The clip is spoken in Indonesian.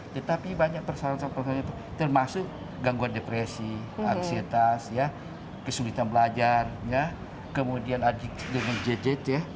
tetapi banyak persalahan persalahan itu termasuk gangguan depresi ansietas kesulitan belajar kemudian adik dengan jejet